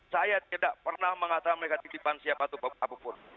saya tidak pernah mengatakan mereka titipan siapa apapun